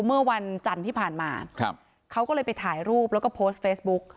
เมื่อวันจันทร์ที่ผ่านมาครับเขาก็เลยไปถ่ายรูปแล้วก็โพสต์เฟซบุ๊ก